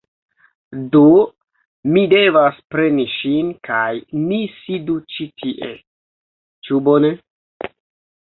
Do mi devas preni ŝin kaj ni sidu ĉi tie. Ĉu bone?